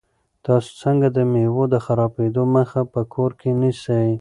تاسو څنګه د مېوو د خرابېدو مخه په کور کې نیسئ؟